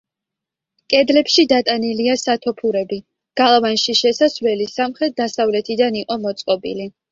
კედლებში დატანილია სათოფურები გალავანში შესასვლელი სამხრეთ-დასავლეთიდან იყო მოწყობილი.